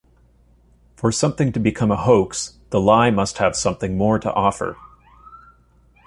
For something to become a hoax, the lie must have something more to offer.